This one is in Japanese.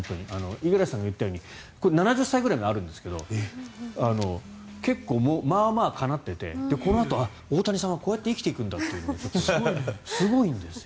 五十嵐さんが言ったように７０歳ぐらいまであるんですが結構、まあまあかなっていてこのあとは大谷さんはこうやって生きていくんだってすごいんですよ。